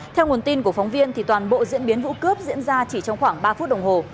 theo nguồn tin của phóng viên toàn bộ diễn biến vụ cướp diễn ra chỉ trong khoảng ba phút đồng hồ